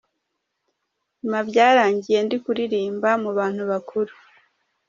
Nyuma byarangiye ndi kuririmba mu bantu bakuru.